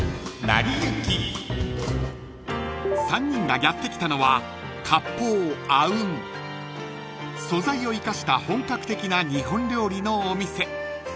［３人がやって来たのは］［素材を生かした本格的な日本料理のお店］